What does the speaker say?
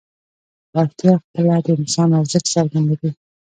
وړتیا خپله د انسان ارزښت څرګندوي.